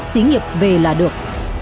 xí nghiệp về là được